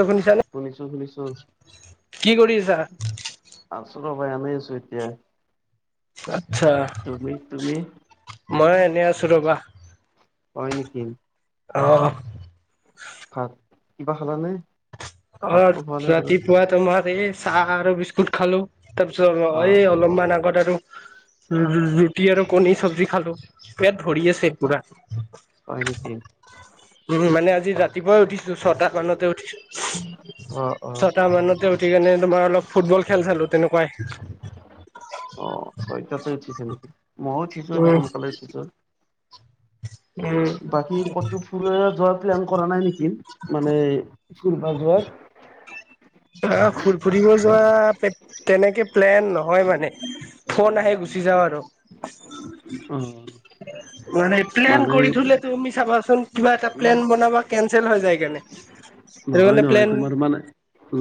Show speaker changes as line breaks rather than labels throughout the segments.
টো শুনিছানে?
শুনিছোঁ শুনিছোঁ।
কি কৰিছা?
আছো ৰ'বা! এনেই আছো এতিয়া।
আচ্ছা
তুমি তুমি
মই এনেই আছো ৰ'বা।
হয় নেকি?
অ'!
ভাত, কিবা খালা নে?
অ' ৰাতিপুৱা তোমাৰ এই চাহ আৰু বিস্কুট খালোঁ। তাৰপিছত
অ
এই অলপমান আগত আৰু ৰুটি আৰু কণী চব্জি খালোঁ, পেট ভৰি আছে পুৰা।
হয় নেকি?
উম, মানে আজি ৰাতিপুৱাই উঠিছো ছটা মানতে উঠিছো
অ অ
ছটা মানত। উঠি কিনে তোমাৰ অলপ ফুটবল খেল চালোঁ তেনেকুৱাই।
অ' ছয়টাতে উঠিছে নেকি? মইয়ো উঠিছো আজি
উম,
সোনকালে উঠিছো।
উম,
বাকী ক'তো ফুৰিব যোৱা প্লেন কৰা নাই নেকি? মানে ফুৰিবা যোৱা?
আহ' খুৰ-ফুৰিব যোৱা তেনেকে প্লেন নহয় মানে। ফোন আহে গুচি যাওঁ আৰু,
অ
মানে প্লেন
মানে
কৰি থ'লে তুমি চাবাচোন, কিবা এটা প্লেন বনাবা কেনচেল হৈ যায় [unintelligible] সেইটো
নহয়
কাৰণে
নহয়
প্লেন
তোমাৰ মানে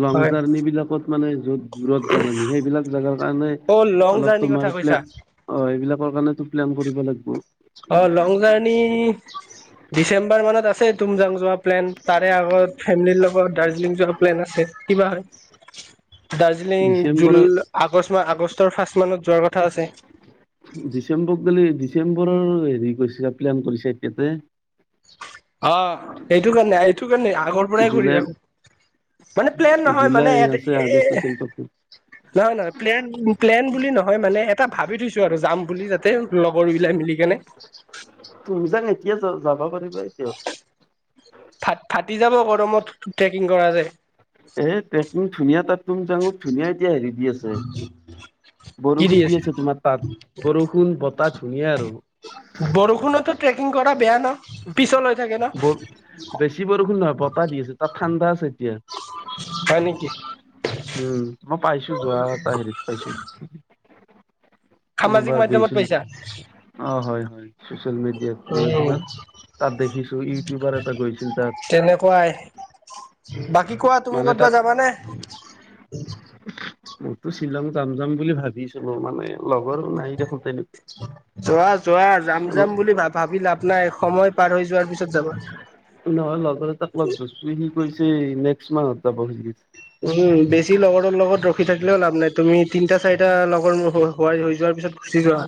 লং
হয়
জাৰ্ণি বিলাকত মানে য'ত দূৰত যাম আমি সেইবিলাক জেগাৰ কাৰণে
অ' লং
অলপ
জাৰ্ণিৰ
তোমাৰ
কথা
প্লেন
কৈছা?
অ' এইবিলাকৰ কাৰণেটো প্লেন কৰিব লাগিব।
অ' লং জাৰ্ণি ডিচেম্বৰ মানত আছে তুমজাং যোৱা প্লেন তাৰে আগত ফেমলিৰ লগত দাৰ্জিলিং যোৱা প্লেন আছে। কি'বা হয়।
[inaudible]
দাৰ্জিলিং জুল
ডিচেম্বৰত
আগষ্ট আগষ্টৰ ফাৰ্ষ্ট মানত যোৱাৰ কথা আছে।
ডিচেম্বৰত গলে, ডিচেম্বৰৰ হেৰি কৰিছো প্লেন কৰিছে এখেতে।
অ' সেইটো কাৰণে সেইটো কাৰণে আগৰ পৰাই কৰি
জুলাই
থাকো। মানে প্লেন নহয় মানে
জুলাই
ইয়াতে
আছে
এ
আগষ্ট আছে তাতে।
নহয় নহয়, প্লেন প্লেন বুলি নহয় মানে এটা ভাবি থৈছো আৰু যাম বুলি তাতে। লগৰ বিলাক মিলি কেনে।
তুমি যাক এতিয়া, যা- যাব পাৰিবা এতিয়া।
ফা- ফাটি যাব গৰমত, ট্ৰেকিং কৰা যায়।
এ, ট্ৰেকিং ধুনীয়া তাত। তুমি [unintelligible] ধুনীয়া এতিয়া সেৰিত। দি আছে, বৰষুণ দি আছে, তোমাৰ তাত। বৰষুণ, বতাহ ধুনীয়া আৰু।
বৰষুণতো ট্ৰেকিং কৰা বেয়া ন'! পিছল হৈ থাকে
ব
ন'।
বেছি বৰষুণ নহয়, বতাহ দি আছে, তাত ঠাণ্ডা আছে এতিয়া।
হয় নিকি?
উম, মই পাইছোঁ, যোৱা এটা সেৰিত পাইছোঁ।
সামাজিক
কোনোবা
মাধ্যমত
গৈছিল।
পাইছা
অ'! হয়, হয়, ছচিয়েল মিডিয়াত মানে
উম
তোমাৰ। তাত দেখিছোঁ, ইউটিউবাৰ এটা গৈছিল তাত।
তেনেকুৱাই। বাকী কোৱা, তুমি
মানে তাত
ক'ৰবাত যাবানে? [unintelligible]
মইতো শ্বিলং যাম-যাম বুলি ভাবিছিলোঁ! মানে, লগৰ নাই দেখোন তেনে
যোৱা-যোৱা, যাম-যাম বুলি ভা-ভাবি লাভ নাই। সময় পাৰ হৈ যোৱাৰ পিছত যাবা?
নহয়, লগৰ এটাক লগত ধৰিছোঁৱে, সি কৈছে, নেক্সট মাহত যাব বুলি কৈছে।
উম! বেছি লগৰৰ লগত ৰখি থাকিলেও লাভ নাই। তুমি, তিনটা-চাৰিটা লগৰ লগ হ'বা। [unintelligible] হৈ যোৱাৰ পিছত গুচি যোৱা।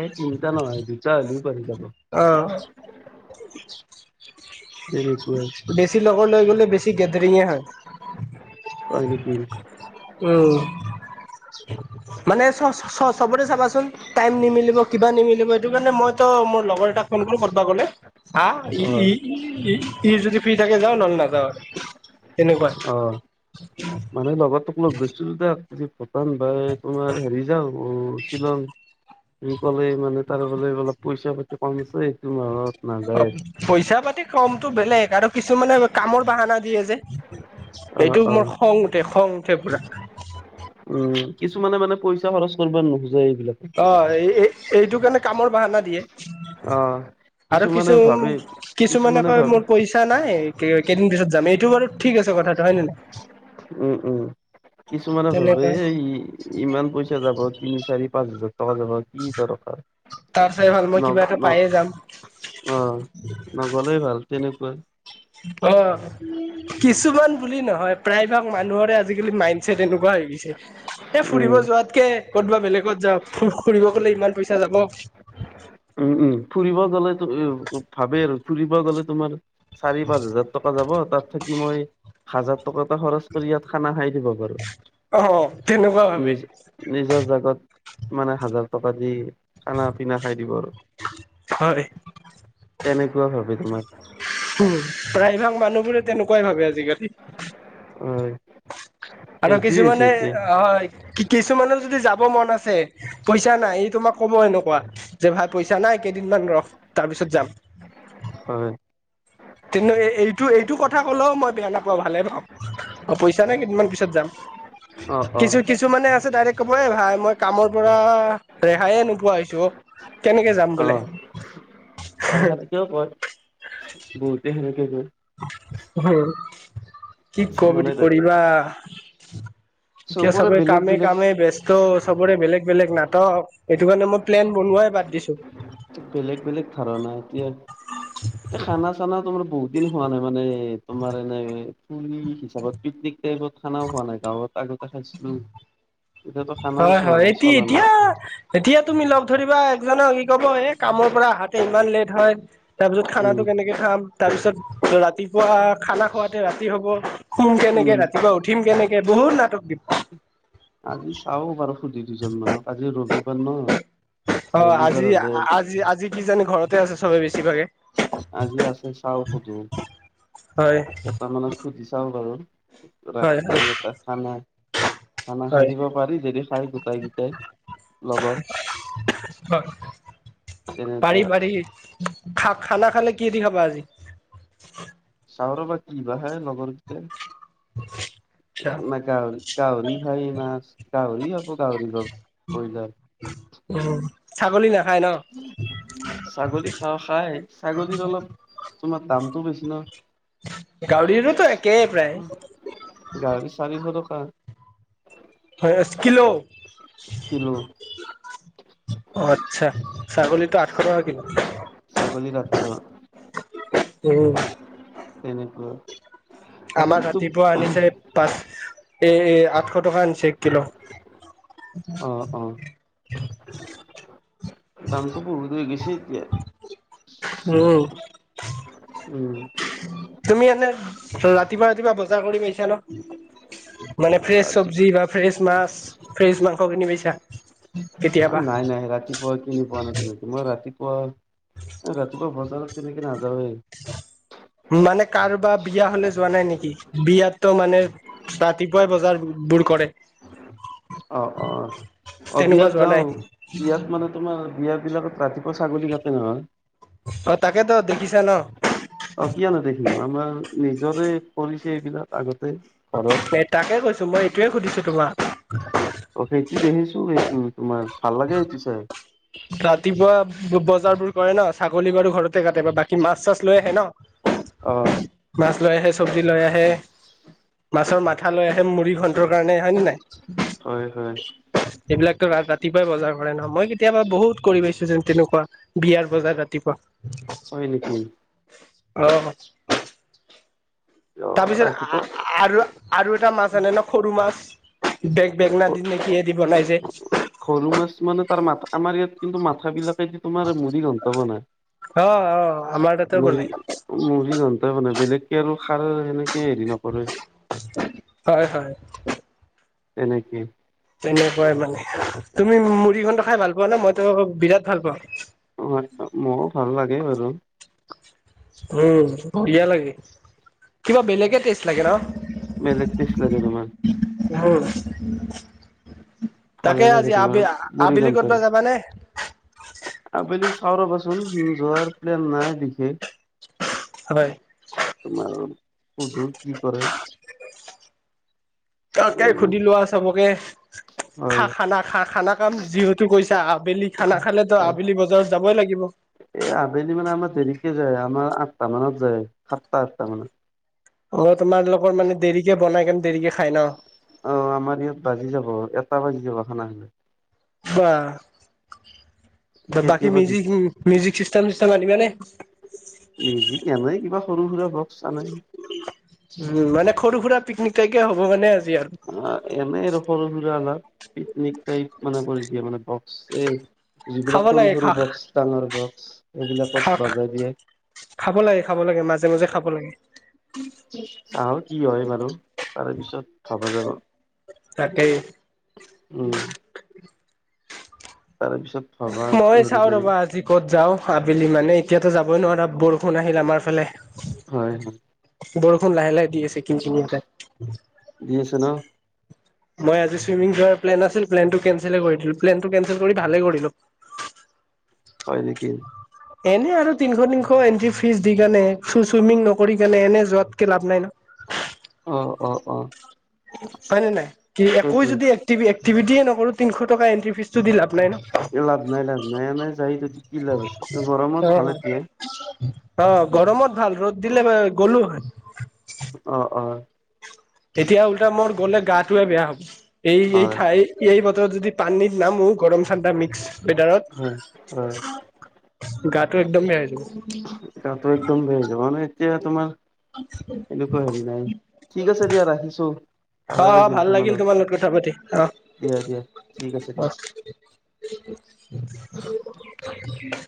এই তিনিটা নহয়, দুটা হ'লেও পাৰি যাব।
অ'!
তেনেকুৱাই।
বেছি লগৰ লৈ গ'লে, বেছি গেডেৰিঙে হয়।
হয় নিকি?
উম! মানে, চ-চবতে চাবাচোন? টাইম নিমিলিব, কিবা নিমিলিব। সেইটোকাৰণে মইতো মো লগৰ এটাক ফোন কৰোঁ, ক'ৰবাত গ'লে।
অ
[unintelligible] [unintelligible] ই যদি ফ্ৰী থাকে যাওঁ। নহ'লে নাযাওঁ, তেনেকুৱাই।
অ মানে, লগৰটোক লগ ধৰিছিলোঁ যে, আজি প্ৰথমবাৰ তোমাৰ সেৰি যাওঁ, শ্বিলং। ই ক'লে মানে, তাৰে বোলে অলপ, পইচা-পাতি কম আছে, এইটো মাহত। নাযায়
অ'
আৰু
পইচা-পাতি কামটো বেলেগ। আৰু কিছুমানে, কামৰ বাহানা দিয়ে যে
অ
এইটো
অ
মোৰ খং উঠে-খং উঠে পূৰা।
উম, কিছুমানে মানে, পইচা খৰচ কৰিব নোখোজে, এইবিলাকে।
অ'! এই-এই, এইটো কাৰণে কামৰ বাহানা দিয়ে।
অ
আৰু
কিছুমানে
কিছু,
ভাবে
কিছুমানে কয় মোৰ, পইচ চা নাই, কেইদিন পিছত যামে্ঋ। এইটো বাৰু ঠিক আছে, কথাটো হয় নে নাই?
উম, উম! কিছুমানে ভাবে
তেনেকুৱাই
এই, কথা ই ইমান পইচা যাব, তিনি-চাৰি, পাঁচ হাজাৰ টকা যাব। কি দৰকাৰ?
তাৰপিছত, এবাৰ
ন
মই, কিবা এটা
ন
পায়ে যাম।
অ'! নগ'লেই ভাল, তেনেকুৱাই।
অ'! কিছুমান বুলি নহয়, প্ৰায় ভাগ মানুহৰে আজিকালি, মাইণ্ডছেট এনেকুৱা হৈ গৈছে। এ, ফুৰিব
উম,
যোৱাতকে, ক'ৰবাত বেলেগত যাম, ফুৰ- ফুৰিব গ'লে ইমান পইচা যাব।
উম, উম, ফুৰিব গ'লে [unintelligible] ভাবে আৰু ফুৰিব গ'লে তোমাৰ চাৰি - পাঁচ হাজাৰ টকা যাব। তাত থাকি মই, হাজাৰ টকা এটা খৰচ কৰি, ইয়াত খানা খাই দিব। বাৰু
তেনেকুৱা ভাবে
নিজে- নিজৰ জাগাত মানে হাজাৰ টকা দি খানা পিনা খাই দিব আৰু।
হয়
তেনেকুৱা ভাৱে তোমাৰ।
উম প্ৰায় ভাগ মানুহবোৰে তেনেকুৱাই ভাবে আজিকালি।
হয়।
আৰু
সেইটোৱে হৈছে
কিছুমানে
এতিয়া
হয়, কি কিছুমানে যদি যাব মন আছে- পইচা নাই, এই তোমাক কব এনেকুৱা যে ভাই পইচা নাই কেইদিনমান ৰখ তাৰ পিছত যাম।
হয়।
তেন্তে এইটো এইটো কথা কলেও মই বেয়া নাপাও ভালে পাওঁ। অ পইচা নাই কেইদিনমান পিছত যাম।
অ', অ',
কিছু কিছুমানে আছে ডাইৰেক্ট কব এ ভাই মই কামৰ পৰা ৰেহাইয়ে নোপোৱা হৈছো অ। কেনেকে যাম বোলে।
তাহাতিও কয় বহুতে সেনেকে কয়।
অ কি
মানে
কমেডি কৰিবা। এতিয়া
চবৰে
চবে
বেলেগ
কামে
বেলেগ
কামে ব্যস্ ত' চবৰে বেলেগ বেলেগ নাটক, সেইটো কাৰণে মই প্লেন বনোৱাই বাদ দিছোঁ।
বেলেগ বেলেগ ধাৰণা এতিয়া, খানা চানা তোমাৰ বহুত- দিন হোৱা নাই মানে তোমাৰ এনে- হিচাপত পিকনিক টাইপত খানাও হোৱা নাই, গাঁৱত আগতে খাইছিলোঁ এতিয়া ত-
হয় হয় এটি এতিয়া- এতিয়া তুমি লগ ধৰিবা এক জানে কি কব এ কামৰ পৰা আহাতে ইমান লেট হয়। তাৰপিছত
উম
খানাটো কেনেকে খাম? তাৰপিছত ৰাতি- পুৱা খানা খুৱাতে ৰাতি হ'ব, শুম কেনেকে
উম
ৰাতিপুৱা উঠিম কেনেকে, বহুত নাটক দিব।
আজি চাওঁ বাৰু সুধি দুজন মানক আজি ৰবিবাৰ ন।
অ
ৰবিবাৰ
আজি
হলে
আজি আজি কি জানি ঘৰত- ঘৰতে আছে চবে বেছিভাগে,
আজি আছে চাও
হয়।
তাৰমানে সুধি চাওঁ বাৰু
হয়
ৰাতিকে
হয়
এটা খানা- খানা
হয়।
খাই দিব পাৰি যদি খাই গোটেই গেটাই লগৰ।
হয় পাৰি
তেনেকুৱা
পাৰি খা খানা খালে কি দি খাবা আজি?
চাওঁ ৰবা কি বা হে লগৰ
আচ্ছা
গিটাই গাহৰি গাহৰি খাই মাছ গাহৰি হ'ব গাহৰি হ'ব ব্ৰইলাৰ-
অ ছাগলী নাখায় ন।
ছাগলী খাওঁ খাই ছাগলীৰ অলপ- তোমাৰ দামটো বেছি নহয়।
গাহৰিৰো ত একেই প্ৰায়।
গাহৰি চাৰিশ টকা।
হয় এচ কিলো।
কিলো।
অ আত্ছা ছাগলী-
ছাগলী পাঁচশ।
উম।
তেনেকুৱা
আমাৰ
ছাগলীটো
ৰাতিপুৱা আনিছে পাঁচ এ এ আঠশ টকা আনিছে। কিলো
অ অ দামটো বহুত হৈ গৈছে এতিয়া।
উম
উম।
তুমি এনে ৰাতিপুৱা, ৰাতিপুৱা বজাৰ কৰি পাইছা ন? মানে ফ্ৰেছ
ৰাতি
চব্জি বা ফ্ৰেছ মাছ, ফ্ৰেছ মাংস কি পাইচা?
অ নাই, নাই, ৰাতিপুৱা কিনি পোৱা নাই। তোমাৰ ৰাতিপুৱা, ৰাতিপুৱা বজাৰত তেনেকে নাযাওৱেই
মানে কাৰোবাৰ বিয়া হ'লে যোৱা নাই নেকি? বিয়াটো মানে ৰাতিপুৱাই বজাৰবোৰ কৰে।
অ, অ। অ,
তেনেকুৱা
বিয়াত
যোৱা
যাওঁ
নাই
বিয়াত মানে তোমাৰ বিয়া বিলাকত ৰাতিপুৱা ছাগলী কাটে নহয়?
অ তাকেত, দেখিছা ন?
অ কিয় নেদেখিম? আমাৰ নিজৰে কৰিছে এইবিলাক আগতে ঘৰত।
এ তাকে কৈছোঁ, মই এইটোয়ে সুধিছোঁ তোমাক।
অ সেইটো দেখিছোঁ সেইটো তোমাৰ ভাল লাগে সেইটো চাই।
ৰাতিপুৱা বজাৰবোৰ কৰে ন, ছাগলী বাৰু ঘৰতে কাটে বা বাকী মাছ চাছ লৈ আহে ন।
অ
মাছ লৈ আহে, চব্জি লৈ আহে, মাছৰ মা মাঠা লৈ আহে মূৰী ঘণ্টৰ কাৰণে, হয় নে নাই?
হয় হয়
এইবিলাকতো ৰা ৰাতিপুৱাই বজাৰ কৰে ন, মই কি - কেতিয়াবা বহুত কৰি পাইছো যেন তেনেকুৱা বিয়াৰ বজাত ৰাতিপুৱা।
হয় নেকি?
অ।
অ
তাৰপিছত
ৰাতিপুৱা
আ আ আৰু এটা মাছ আনে ন সৰু মাছ। বেগ বেঙনা দি নেকি কিয়ে দি বনাই যে
সৰু মাছ মানে তাৰ মা আমাৰ ইয়াত কিন্তু মাথা বিলাকেদি তোমাৰ মুৰী ঘন্তা বনাই।
অ অ, আমাৰ তাতো বনাই।
মুৰীঘণ্টা বনাই, বেলেগকে আৰু খাৰ সেনেকে হেৰি নকৰে।
হয়, হয়।
এনেকে।
তেনেকুৱাই মানে, তুমি মূড়ীঘন্টা খাই ভাল পোৱা নে? মইতো বিৰাট ভাল পাওঁ।
ভাল পাও, মোৰো ভাল লাগে বাৰু।
উম, বঢ়িয়া লাগে। কিবা বেলেগে টেষ্ট লাগে ন?
বেলেগ টেষ্ট লাগে তোমাৰ।
উম। তাকে
ভালে লাগে
আজি
তোমাৰ
আবে
মুড়ি
আবেলি
ঘন্টৰ
ক'তবা যাবা নে?
আবেলি চাওঁ ৰ'বাচোন, যোৱাৰ প্লেন নাই বিশেষ।
হয়।
তোমাৰ শুধু, কি কৰে?
তাকে সুধি লোৱা চবকে, খা
হয়
-খানা, খা -খানা, খাম যিহেতু গৈ এতিয়া আবেলি খানা খালেতো আবেলি বজাৰত যাবই লাগিব।
এ আবেলি মানে আমাৰ দেৰিকে যায় আমাৰ আঠটা মানত যায়, সাতটা আঠটা মানত।
অ, তোমালোকৰ মানে দেৰিকে বনাই কেনে দেৰিকে খাই ন।
অ, আমাৰ ইয়াত বাজি যাব, এটা বাজি যাব খানা খাওঁতে।
বাহঃ বাকী
কেতিয়াবা
মিউজিক মিউজিক চিষ্টেম আনিবা নে?
মিউজিক এনেই কিবা সৰু সুৰা বক্স আনেই।
উম মানে সৰু সুৰা পিকনিক তাইপে হ'ব মানে আজি আৰু।
অ এনেই আৰু সৰু সুৰা অলপ, পিকনিক টাইপ মানে কৰি দিয়ে মানে বক্স এই -
খাব
যিবিলাক সৰু
লাগে খা
সৰু বক্স, ডাঙৰ বক্স
খা
এইবিলাকত বাজাই দিয়ে।
খাব লাগে খাব লাগে, মাজে মাজে খাব লাগে।
চাও কি হয় বাৰু তাৰে পিছত ভবা যাব।
তাকেই।
উম তাৰে পিছত ভাবা
মই
হেৰি
চাওঁ
কৰি
ৰ'বা আজি। ক'ত যাওঁ আবেলি মানে, এতিয়াতো যাবই নোৱাৰা বৰষুণ আহিল আমাৰ ফালে।
হয়, হয়।
বৰষুণ লাহে লাহে দি আছে কিনকিনিয়াকে।
দি আছে ন'?
মই আজি চুইমিং যোৱাৰ প্লেন আছিল প্লেনটো কেনচেল কৰি দিলোঁ, প্লেনটো কেনচেল কৰি ভালে কৰিলোঁ।
হয় নেকি?
এনে আৰু তিনশ তিনশ এণ্ট্ৰি ফিজ দি কেনে চুইমিং নকৰি কেনে এনে যোৱাতকে লাভ নাই না।
অ', অ', অ'।
হয় নে নাই, কি একো
তাকেইতো
যদি এক্টিভি-এক্টিভিটিয়ে নকৰোঁ তিনশ টকা এন্ট্ৰি ফিজটো দি লাভ নাই ন'।
লাভ নাই লাভ নাই, এনেই যাই যদি কি লাভ আছে, গৰমত ভালে দিয়ে।
অ' গৰমত ভাল ৰ'দ দিলে গ'লোঁ হয়।
অ', অ'।
এতিয়া ওলটা মোৰ গ'লে গাটোৱে বেয়া হ'ব, এই এই
হয়
ঠাই এই বতৰত যদি পানীত নামো গৰম ঠাণ্ডা মিক্স
হয় হয়
ৱেদাৰত। গাটো একদম বেয়া হৈ যাব।
গাটো একদম বেয়া হৈ যাব, মানে এতিয়া তোমাৰ
[inaudible]
এনেকুৱা হেৰি নাই। ঠিক আছে দিয়া ৰাখিছোঁ।
অ', অ' ভাল লাগিল তোমাৰ লগত কথা পাতি, অ',
দিয়া দিয়া ঠিক আছে দিয়া
অ'। [inaudible]